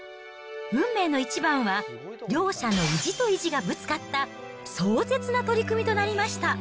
運命の一番は、両者の意地と意地がぶつかった、壮絶な取り組みとなりました。